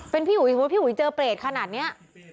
เป็นพี่ภูมิสมมุติพี่ภูมิเจอเปรตขนาดนี้